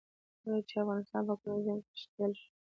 کله چې افغانستان په کورني جنګ کې ښکېل شو.